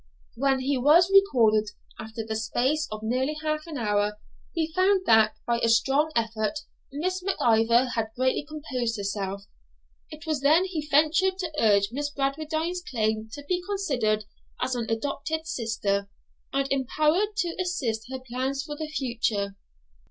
When he was recalled, after the space of nearly half an hour, he found that, by a strong effort, Miss Mac Ivor had greatly composed herself. It was then he ventured to urge Miss Bradwardine's claim to be considered as an adopted sister, and empowered to assist her plans for the future.